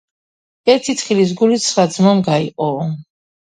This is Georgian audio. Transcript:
ერთი თხილის გული ცხრა ძმამ გაიყოო